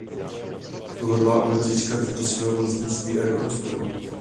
Tu hodlá obec získat do svého vlastnictví a rekonstruovat.